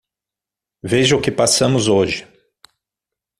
Veja o que passamos hoje.